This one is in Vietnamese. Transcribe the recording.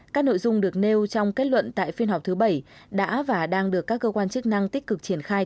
các nội dung được nêu trong kết luận tại phiên họp thứ bảy đã và đang được các cơ quan chức năng tích cực triển khai